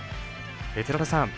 寺田さん